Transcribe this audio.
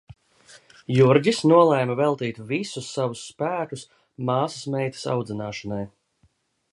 Jurģis nolēma veltīt visus savus spēkus māsasmeitas audzināšanai.